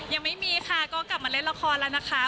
ยังไม่มีค่ะก็กลับมาเล่นละครแล้วนะคะ